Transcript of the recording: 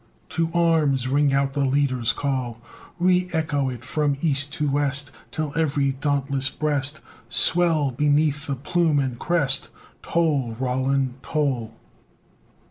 To arms! Ring out the Leader's call! Reëcho it from East to West, Till every dauntless breast Swell beneath plume and crest! Toll! Roland, toll!